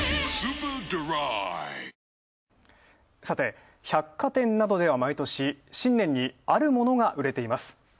さて、百貨店などでは毎年、新年にあるものが売れています。